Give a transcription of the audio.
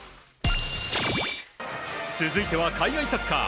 続いては海外サッカー。